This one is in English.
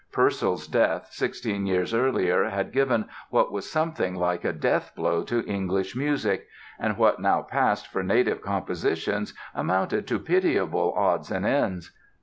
Purcell's death sixteen years earlier had given what was something like a death blow to English music; and what now passed for native compositions amounted to pitiable odds and ends.